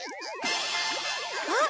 あっ！